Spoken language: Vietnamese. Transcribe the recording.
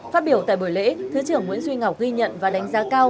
phát biểu tại buổi lễ thứ trưởng nguyễn duy ngọc ghi nhận và đánh giá cao